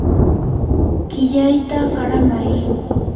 qillayta qaramay.